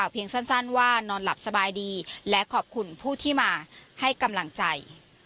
เพียงสั้นว่านอนหลับสบายดีและขอบคุณผู้ที่มาให้กำลังใจ